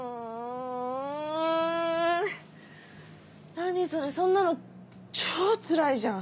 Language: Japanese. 何それそんなの超つらいじゃん。